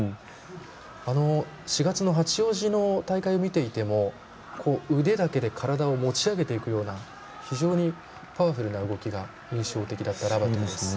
４月の八王子の大会を見ていても腕だけで体を持ちあげていくような非常にパワフルな動きが印象的だったラバトゥ。